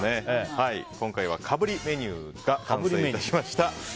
今回はかぶりメニューが完成致しました。